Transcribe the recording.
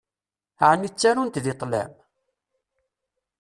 Ɛni ttarunt deg ṭṭlam?